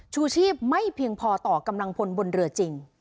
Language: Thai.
ชูชีพไม่เพียงพอต่อกำลังพลบนเรือจริง